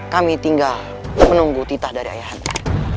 kami tinggal menunggu titah dari ayahanda